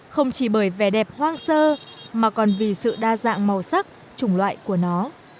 không chỉ bởi vẻ đẹp hoang sơ mà còn vì sự đa dạng màu sắc chủng loại của nó